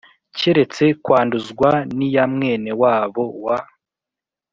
keretse yakwanduzwa n iya mwene wabo wa